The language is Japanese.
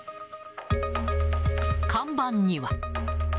看板には。